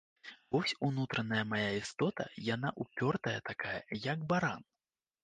Вось унутраная мая істота яна ўпёртая такая, як баран.